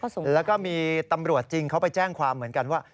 แล้วก็มีตำรวจจริงเขาไปแจ้งความเหมือนกันว่า